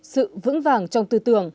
sự vững vàng trong tư tưởng